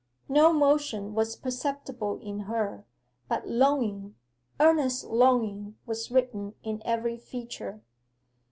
No motion was perceptible in her; but longing earnest longing was written in every feature.